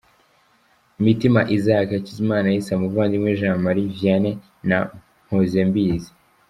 Mitima Isaac, Hakizimana Issa, Muvandimwe Jean Marie Vianney na Mpozembizi.